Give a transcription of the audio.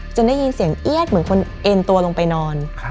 ได้ยินเสียงเอี๊ยดเหมือนคนเอ็นตัวลงไปนอน